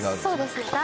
そうですね